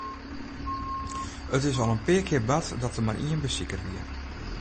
It is al in kear bard dat der mar ien besiker wie.